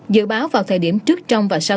dự báo vào thời điểm trước trong và sau